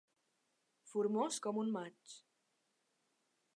Formós com un maig.